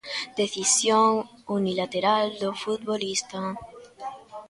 Decisión unilateral do futbolista.